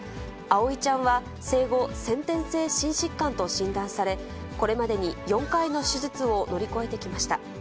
葵ちゃんは生後、先天性心疾患と診断され、これまでに４回の手術を乗り越えてきました。